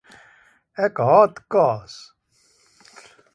Ek haat kaas